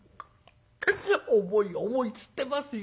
「『重い重い』つってますよ。